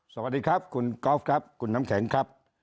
สวัสดีครับคุณกอล์ฟครับคุณน้ำแข็งครับ